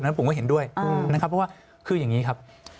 แล้วผมก็เห็นด้วยเพราะว่าคืออย่างนี้ครับ